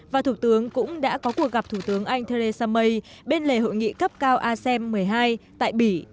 và thủ tướng cũng đã có cuộc gặp thủ tướng anh theresa may bên lề hội nghị cấp cao asem một mươi hai tại bỉ